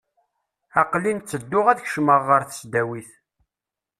Aqel-in ttedduɣ ad kecmeɣ ɣer tesdawit.